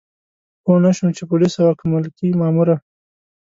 پوه نه شوم چې پولیسه وه که ملکي ماموره.